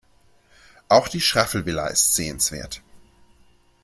Auch die Schraffl-Villa ist sehenswert.